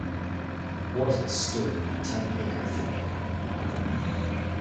Worzel stood in ten acre field.